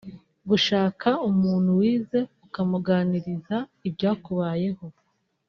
Gushaka umuntu wizeye ukamuganiriza ibyakubayeho